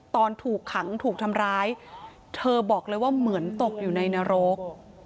ตอนถูกขังถูกทำร้ายเธอบอกเลยว่าเหมือนตกอยู่ในนรก